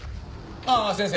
ああ先生。